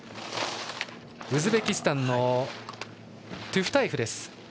ウズベキスタンのトゥフタエフ。